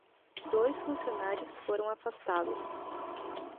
Dois funcionários foram afastados